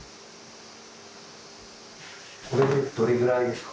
これでどれぐらいですか？